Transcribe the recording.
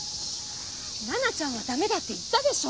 奈々ちゃんは駄目だって言ったでしょ？